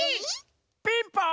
ピンポン！